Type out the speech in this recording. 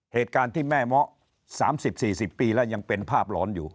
เหตุการณ์ที่แม่เมาะ๓๐๔๐ปีแล้วยังเป็นภาพหลอนอยู่